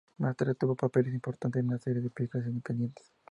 Más tarde tuvo papeles importantes en una serie de películas independientes.